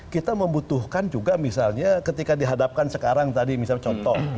kita membutuhkan juga misalnya ketika dihadapkan sekarang tadi misal contoh